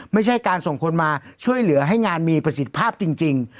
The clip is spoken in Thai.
ไม่ใช่การส่งคนมาช่วยเหลือให้งานมีประสิทธิภาพจริง